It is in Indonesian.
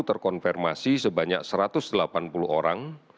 terkonfirmasi sebanyak satu ratus delapan puluh orang